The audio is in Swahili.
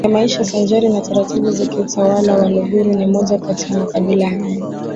ya maisha sanjari na taratibu za kiutawala Waluguru ni moja kati ya Makabila hayo